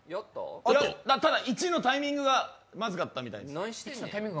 ただ、１のタイミングがまずかったみたいです。